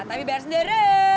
tapi bayar sendiri